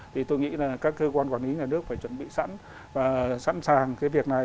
thì tôi nghĩ là các cơ quan quản lý nhà nước phải chuẩn bị sẵn và sẵn sàng cái việc này